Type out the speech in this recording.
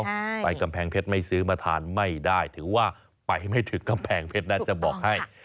ใช่ไปกำแพงเพชรไม่ซื้อมาทานไม่ได้ถือว่าไปไม่ถึงกำแพงเพชรนะจะบอกให้